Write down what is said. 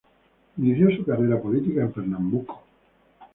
Inició su carrera política en Pernambuco.